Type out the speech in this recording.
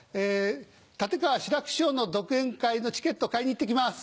立川志らく師匠の独演会のチケット買いに行って来ます。